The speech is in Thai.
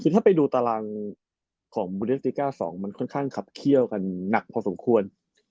คือถ้าไปดูตารางของบูเดสติก้า๒มันค่อนข้างขับเขี้ยวกันหนักพอสมควร